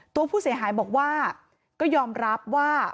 ตัวผู้เสียหายบอกว่าก็ยอมรับว่า